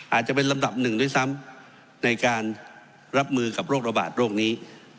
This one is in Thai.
อาจจะเป็นลำดับหนึ่งด้วยซ้ำในการรับมือกับโรคระบาดโรคนี้